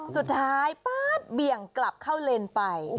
สุดท้ายป๊าบเบี่ยงกลับเข้าเลนไป